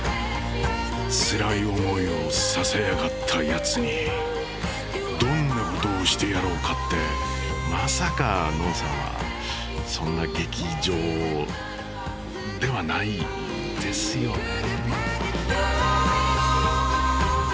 つらい思いをさせやがったやつにどんなことをしてやろうかってまさかのんさんはそんな激情ではないですよね。